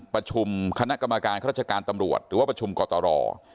ประชุมคณะกรรมการข้าราชการตำรวจหรือว่าประชุมกตร